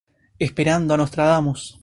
Esperando a Nostradamus.